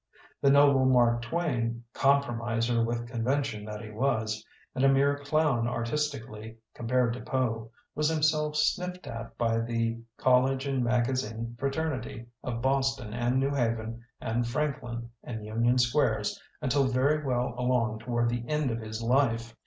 "The noble Mark Twain, compro miser with convention that he was, and a mere clown artistically com pared to Poe, was himself sniffed at by the college and magazine fraternity of Boston and New Haven and Frank lin and Union Squares until very well along toward the end of his life.